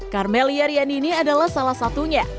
karmel yarian ini adalah salah satunya